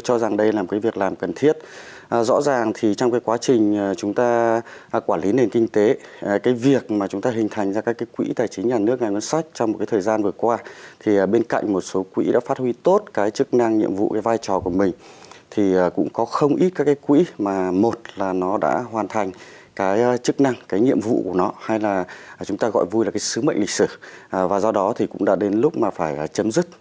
chúng ta gọi vui là sứ mệnh lịch sử và do đó cũng đã đến lúc phải chấm dứt